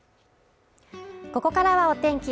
ここからはお天気